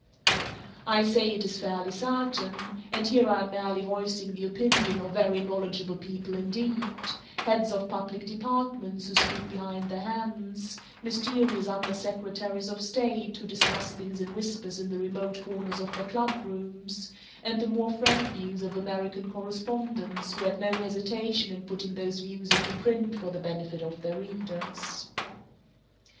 I say it is fairly certain and here I am merely voicing the opinion of very knowledgeable people indeed, heads of public departments who speak behind their hands, mysterious under secretaries of state who discuss things in whispers in the remote corners of their clubrooms and the more frank views of American correspondents who had no hesitation in putting those views into print for the benefit of their readers.